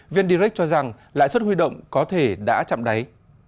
vn direct cho rằng lãi suất huy động có thể đã chạm đáy